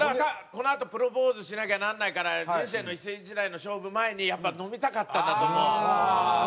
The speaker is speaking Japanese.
このあとプロポーズしなきゃなんないから人生の一世一代の勝負前にやっぱ飲みたかったんだと思う。